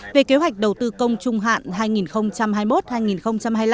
về kế hoạch đầu tư công trung hạn hai nghìn hai mươi một hai nghìn hai mươi năm